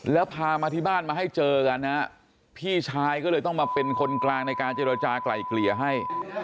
แล้วพามาที่บ้านมาให้เจอกันนะพี่ชายก็เลยต้องมาเป็นคนกลางในการเจรจากลายเกลี่ยให้